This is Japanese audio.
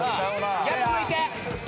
逆向いて。